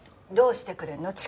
どうしてくれるの？